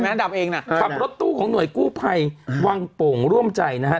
ดำเองนะฮะขับรถตู้ของหน่วยกู้ภัยวังโป่งร่วมใจนะฮะ